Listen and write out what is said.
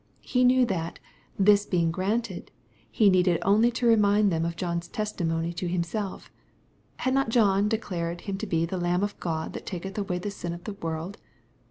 He knew that, this being grF.r.tcd, he needed only to remind them of John's testim.ony to HimseE—^ Had not John declared him to be " the Lamb of God that taketh away the sin of the world